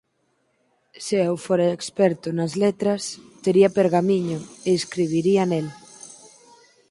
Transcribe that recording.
Se eu fora experto nas letras, tería pergamiño, e escribiría nel.